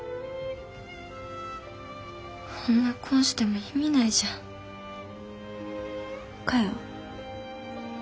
ほんなこんしても意味ないじゃん。かよ？